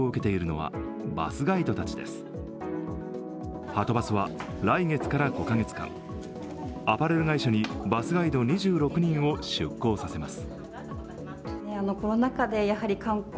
はとバスは来月から５カ月間アパレル会社にバスガイド２６人を出向させます。